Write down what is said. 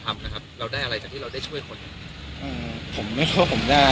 ทำนะครับเราได้อะไรจากที่เราได้ช่วยคนอืมผมนึกว่าผมได้